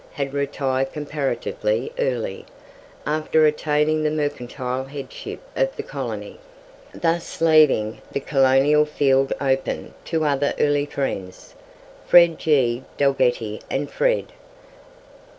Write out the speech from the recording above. had retired comparatively early, after attaining the mercantile headship of the colony; thus leaving the colonial field open to other early friends, Fred. G. Dalgety and Fred.